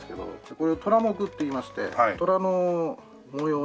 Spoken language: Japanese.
これを虎杢って言いまして虎の模様に。